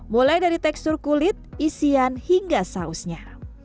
mulai dari tekstur kulit isian hingga sausnya